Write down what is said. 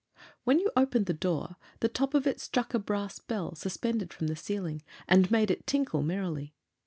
When you opened the door, the top of it struck a brass bell suspended from the ceiling and made it tinkle merrily.